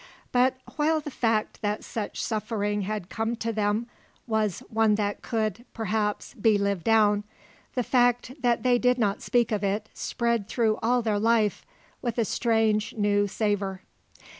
But while the fact that such suffering had come to them was one that could, perhaps, be lived down, the fact that they did not speak of it spread through all their life with a strange, new savour.